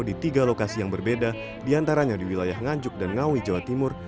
di tiga lokasi yang berbeda diantaranya di wilayah nganjuk dan ngawi jawa timur